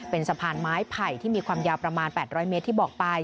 เป็นสะพานไม้ไผ่ที่มีความยาวประมาณ๘๐๐เมตรที่บอกไป